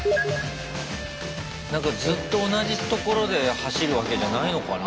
なんかずっと同じ所で走るわけじゃないのかな？